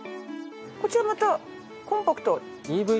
こちらまたコンパクト！